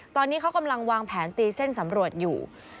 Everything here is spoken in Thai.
ตอนนี้เขากำลังวางแผนตีเส้นสำรวจอยู่